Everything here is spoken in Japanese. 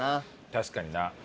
確かにな。